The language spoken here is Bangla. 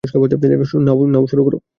নাও শুরু করো।